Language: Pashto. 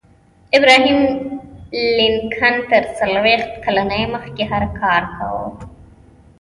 ابراهم لینکن تر څلویښت کلنۍ مخکې هر کار کاوه